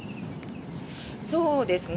そうですね。